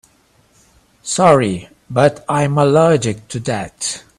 Sorry but I'm allergic to that.